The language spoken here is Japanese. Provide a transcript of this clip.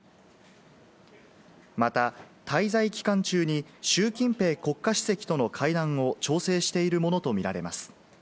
また、滞在期間中にシュウ・キンペイ国家主席との会談を調整しているものとみられます。